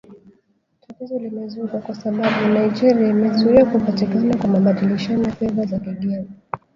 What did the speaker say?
Tatizo limezuka kwa sababu Nigeria imezuia kupatikana kwa mabadilishano ya fedha za kigeni